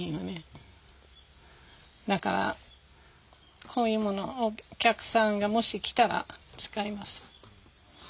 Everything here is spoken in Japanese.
だからこういうものをお客さんがもし来たら使います。